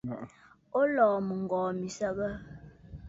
O lɔ̀ɔ̀ mɨŋgɔ̀ɔ̀ mi nsəgə?